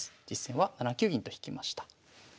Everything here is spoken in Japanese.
実戦は７九銀と引きました。